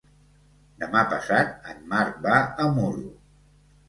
Demà passat en Marc va a Muro.